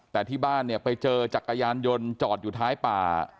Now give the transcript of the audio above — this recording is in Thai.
แต่ที่บ้านเนี่ยไปเจอจักรยานยนต์จอดอยู่ท้ายป่า